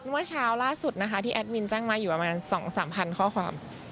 เมื่อเช้าล่าสุดนะคะที่แอดมินแจ้งมาอยู่ประมาณ๒๓๐๐ข้อความ